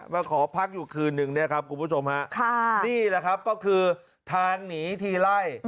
มาขอพักอยู่คืนนึงเนี่ยครับคุณผู้ชมฮะค่ะนี่แหละครับก็คือทางหนีทีไล่